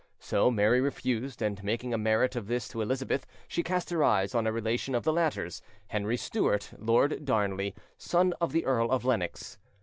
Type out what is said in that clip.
So Mary refused, and, making a merit of this to Elizabeth, she cast her eyes on a relation of the latter's, Henry Stuart, Lord Darnley, son of the Earl of Lennox.